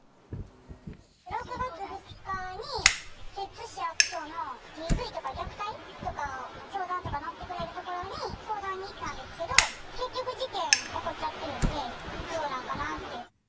６月２日に摂津市役所のＤＶとか虐待とかの相談とか乗ってくれるところに相談に行ったんですけど、結局、事件起こっちゃってるんで、どうなんかなって。